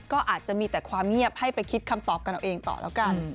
ก็อาจจะมีแต่ความเงียบให้ไปคิดคำตอบกันเอาเองต่อแล้วกัน